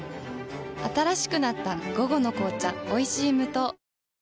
新しくなった「午後の紅茶おいしい無糖」